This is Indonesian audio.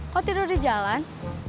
kok tidur di jalan